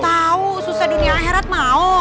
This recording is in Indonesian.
tahu susah dunia akhirat mau